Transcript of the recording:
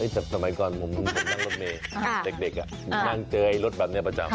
จากสมัยก่อนผมนั่งรถเมย์เด็กนั่งเจอรถแบบนี้ประจำ